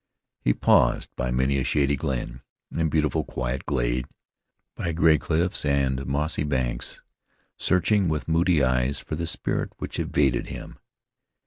He paused by many a shady glen, and beautiful quiet glade; by gray cliffs and mossy banks, searching with moody eyes for the spirit which evaded him.